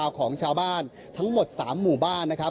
ช่วงล่าของชาวบ้านทั้งหมด๓หมู่บ้าน